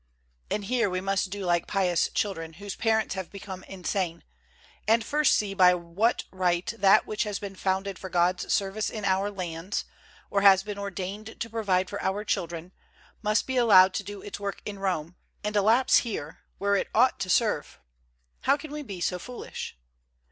And here we must do like pious children whose parents have become insane, and first see by what right that which has been founded for God's service in our lands, or has been ordained to provide for our children, must be allowed to do its work in Rome, and to lapse here, where it ought to serve. How can we be so foolish?